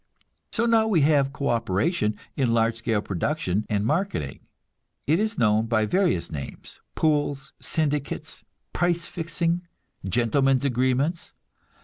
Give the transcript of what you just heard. So now we have co operation in large scale production and marketing. It is known by various names, "pools," "syndicates," "price fixing," "gentlemen's agreements."